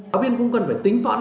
học viên cũng cần phải tính toán